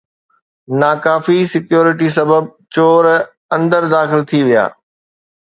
ناکافي security سبب چور اندر داخل ٿي ويا